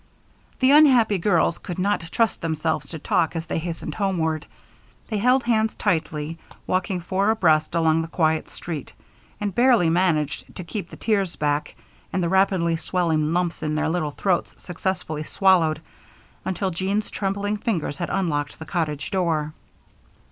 The unhappy girls could not trust themselves to talk as they hastened homeward. They held hands tightly, walking four abreast along the quiet street, and barely managed to keep the tears back and the rapidly swelling lumps in their little throats successfully swallowed until Jean's trembling fingers had unlocked the cottage door.